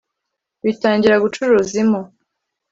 Bitangira gucuruza impu